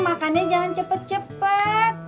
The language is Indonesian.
makannya jangan cepet cepet